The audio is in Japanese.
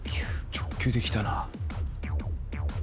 直球で来たな。